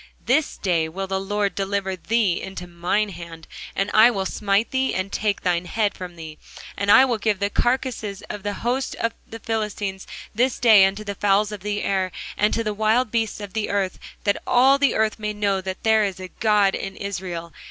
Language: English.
This day will the Lord deliver thee into mine hand; and I will smite thee, and take thine head from thee; and I will give the carcases of the host of the Philistines this day unto the fowls of the air, and to the wild beasts of the earth; that all the earth may know that there is a God in Israel.